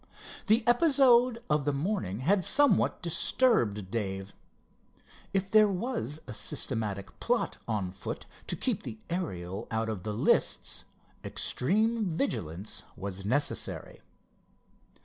The episode of the morning had somewhat disturbed Dave. If there was a systematic plot on foot to keep the Ariel out of the lists, extreme vigilance was necessary.